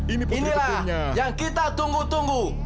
inilah yang kita tunggu tunggu